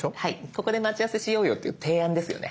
「ここで待ち合わせしようよ」という提案ですよね。